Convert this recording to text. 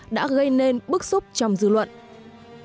đã gây nên một trường tiểu học ở huyện an dương thành phố hải phòng